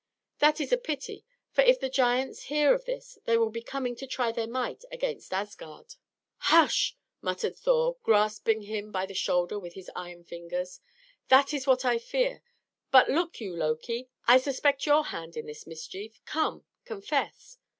"That is a pity; for if the giants hear of this, they will be coming to try their might against Asgard." "Hush!" muttered Thor, grasping him by the shoulder with his iron fingers. "That is what I fear. But look you, Loki: I suspect your hand in the mischief. Come, confess."